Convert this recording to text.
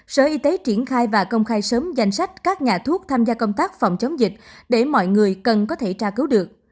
sở y tế triển khai và công khai sớm danh sách các nhà thuốc tham gia công tác phòng chống dịch để mọi người cần có thể tra cứu được